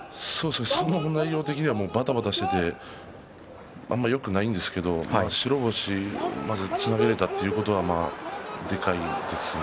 相撲の内容的にはばたばたしていてあまりよくないんですけど白星にまずつなげられたというのは、でかいですね。